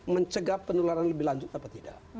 mencegah penularan lebih lanjut apa tidak